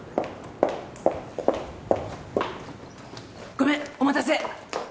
ごめんお待たせ。